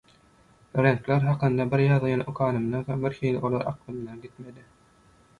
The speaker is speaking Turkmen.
Reňkler hakynda bir ýazgyny okanymdan soň, birhili olar aklymdan gitmedi.